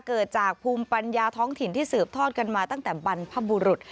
เกิดจากภูมิปัญญาท้องถิ่นที่สืบทอดกันมาตั้งแต่บรรพบุรุษ